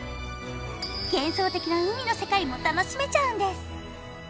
幻想的な海の世界も楽しめちゃうんです